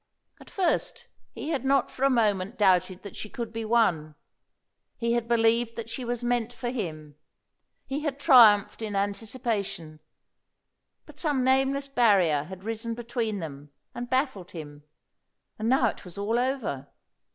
At first he had not for a moment doubted that she could be won. He had believed that she was meant for him; he had triumphed in anticipation, but some nameless barrier had risen between them and baffled him, and now it was all over.